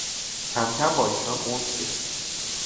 کم کم باایشان انس گرفت